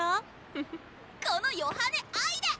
フフッこのヨハネアイで！